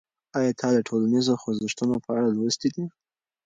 آیا تا د ټولنیزو خوځښتونو په اړه لوستي دي؟